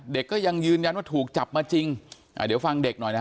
เด็กก็ยังยืนยันว่าถูกจับมาจริงอ่าเดี๋ยวฟังเด็กหน่อยนะฮะ